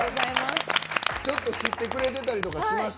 ちょっと知ってくれてたりとかしました？